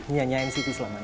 nyanyain siti selama ini